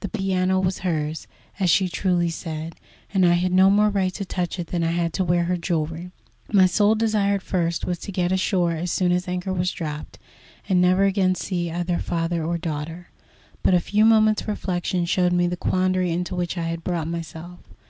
The piano was hers, as she truly said, and I had no more right to touch it than I had to wear her jewellery. My sole desire at first was to get ashore as soon as anchor was dropped, and never again see either father or daughter. But a few moments' reflection showed me the quandary into which I had brought myself.